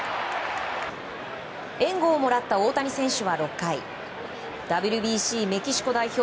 援護をもらった大谷選手は６回ＷＢＣメキシコ代表